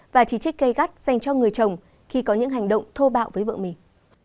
và chỉ trích gây gắt dành cho người chồng khi có những hành động thô bạo với vợ mình